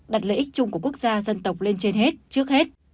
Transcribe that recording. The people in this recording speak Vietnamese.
đặt lợi ích chung của quốc gia dân tộc lên trên hết trước hết